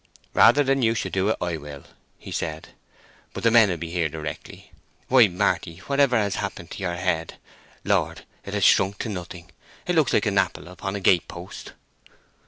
"Rather than you should do it I will," he said. "But the men will be here directly. Why, Marty!—whatever has happened to your head? Lord, it has shrunk to nothing—it looks an apple upon a gate post!"